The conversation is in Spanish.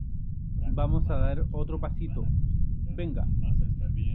vamos a dar otro pasito, venga.